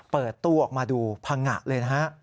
เปิดตู้ออกมาดูพังงะเลยนะฮะ